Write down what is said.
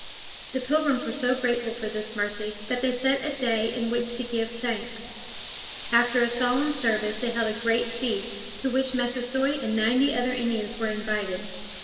The Pilgrims were so grateful for this mercy that they set a day in which to give thanks. After a solemn service they held a great feast, to which Massasoit and ninety other Indians were invited.